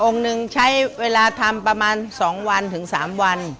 หนึ่งใช้เวลาทำประมาณ๒วันถึง๓วัน